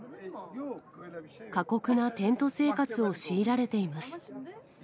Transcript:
過酷なテント生活を強いられています。